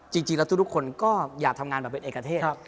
จริงแล้วทุกคนก็อยากทำงานแบบเป็นเอกเทศ